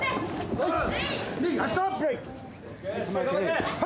・ナイス！